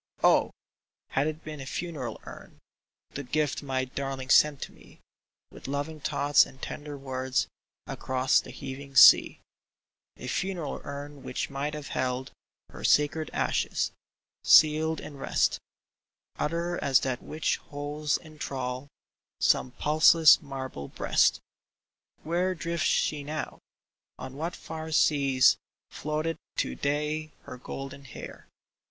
Oh ! had it been a funeral urn — The gift my darling sent to me With loving thoughts and tender words Across the heaving sea — A funeral urn which might have held Her sacred ashes, sealed in rest Utter as that which holds in thrall Some pulseless marble breast ! Where drifts she now ? On what far seas Floateth to day her golden hair?